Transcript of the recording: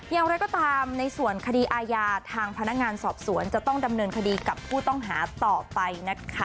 อย่างไรก็ตามในส่วนคดีอาญาทางพนักงานสอบสวนจะต้องดำเนินคดีกับผู้ต้องหาต่อไปนะคะ